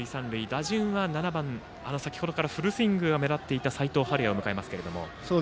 打順は７番、先程からフルスイングが目立っていた齋藤敏哉を迎えますけれども。